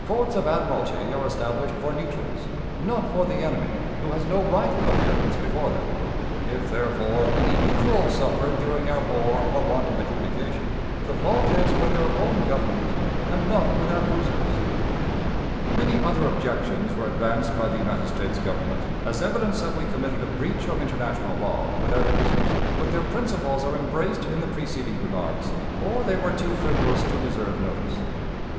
Courts of admiralty are established for neutrals; not for the enemy, who has no right of appearance before them. If, therefore, any neutrals suffered during our war for want of adjudication, the fault is with their own Government, and not with our cruisers. Many other objections were advanced by the United States Government as evidence that we committed a breach of international law with our cruisers, but their principles are embraced in the preceding remarks, or they were too frivolous to deserve notice.